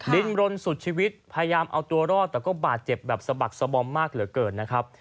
ดินรนสุดชีวิตพยายามเอาตัวรอดแต่ก็บาดเจ็บแบบสะบักสะบอมมากเหลือเกินนะครับ